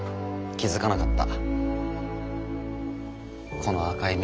気付かなかった。